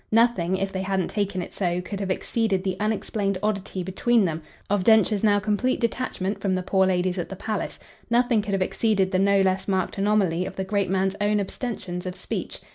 Nothing, if they hadn't taken it so, could have exceeded the unexplained oddity, between them, of Densher's now complete detachment from the poor ladies at the palace; nothing could have exceeded the no less marked anomaly of the great man's own abstentions of speech.